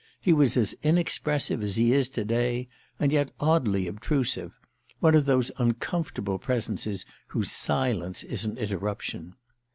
He was as inexpressive as he is to day, and yet oddly obtrusive: one of those uncomfortable presences whose silence is an interruption.